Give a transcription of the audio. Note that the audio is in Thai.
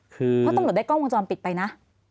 เพราะตำรวจได้กล้องวงจรปิดไปนะ